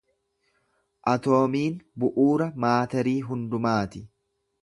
Atoomiin bu’uura maatarii hundumaati.